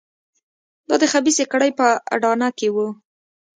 دا د خبیثه کړۍ په اډانه کې وو.